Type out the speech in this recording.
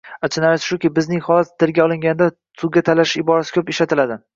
Achinarlisi shuki, bizning holat tilga olinganda «suvga talashish» iborasi ko‘p ishlatiladi.